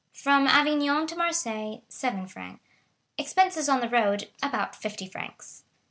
From Avignon to Marseilles, seven francs........ ....... 7. Expenses on the road, about fifty francs........